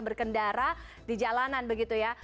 berkendara di jalanan begitu ya